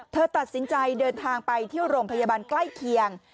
เธอตัดสินใจเดินทางไปที่โรงพยาบาลใกล้เคียง